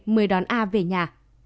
mới đón a về nhà